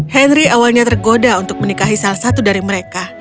henry awalnya tergoda untuk menikahi salah satu dari mereka